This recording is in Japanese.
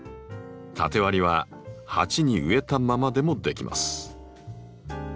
縦割りは鉢に植えたままでもできます。